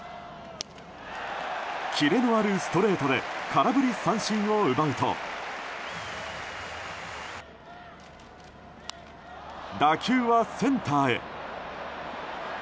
キレのあるストレートで空振り三振を奪うと打球はセンターへ。